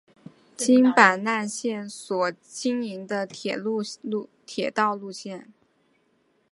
京阪奈线所经营的铁道路线。